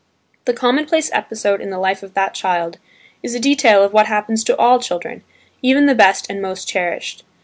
This commonplace episode in the life of that child, is a detail of what happens to all children, even the best and most cherished.